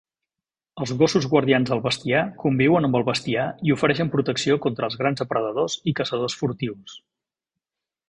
Els gossos guardians del bestiar conviuen amb el bestiar i ofereixen protecció contra els grans depredadors i caçadors furtius.